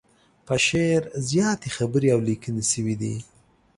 په شعر زياتې خبرې او ليکنې شوي دي.